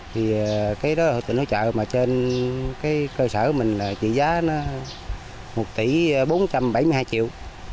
thì cái đó là tỉnh hỗ trợ mà trên cơ sở mình là trị giá một tỷ bốn trăm bảy mươi hai triệu